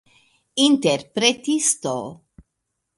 interpretisto